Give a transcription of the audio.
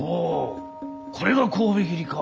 これが神戸切りか。